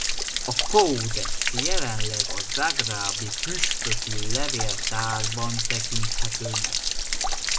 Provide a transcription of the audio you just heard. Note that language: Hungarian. A Kódex jelenleg a zágrábi püspöki levéltárban tekinthető meg.